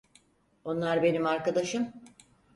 Onlar benim arkadaşım.